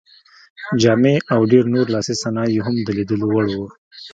جامې او ډېر نور لاسي صنایع یې هم د لیدلو وړ وو.